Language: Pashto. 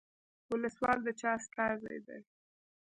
ولسوال د چا استازی دی؟